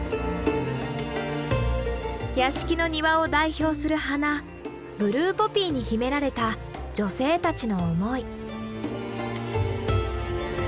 屋敷の庭を代表する花ブルーポピーに秘められた女性たちの思い。